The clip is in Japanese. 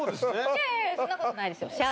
いやいやそんなことないです